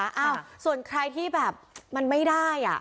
อ้าวส่วนใครที่แบบมันไม่ได้อ่ะ